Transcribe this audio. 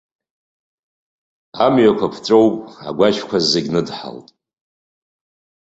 Амҩақәа ԥҵәоуп, агәашәқәа зегь ныдҳалҭ.